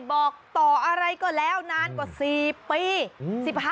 บอกต่ออะไรก็แล้วนานกว่า๔ปี